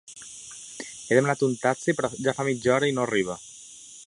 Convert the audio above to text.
He demanat un taxi però ja fa mitja hora i no arriba.